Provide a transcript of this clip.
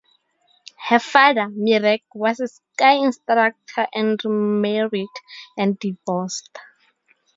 Her father, Mirek, was a ski instructor and remarried and divorced.